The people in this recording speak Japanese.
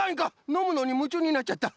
のむのにむちゅうになっちゃった。